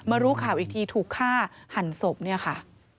รู้ข่าวอีกทีถูกฆ่าหันศพเนี่ยค่ะ